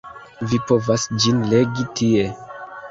Vi povas ĝin legi tie.